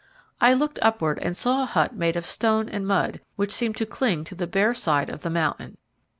I looked upward and saw a hut made of stone and mud, which seemed to cling to the bare side of the mountain.